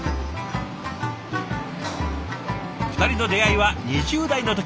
２人の出会いは２０代の時。